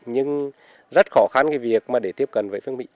nhưng rất khó khăn cái việc mà để tiếp cận với phương định